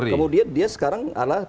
kemudian dia sekarang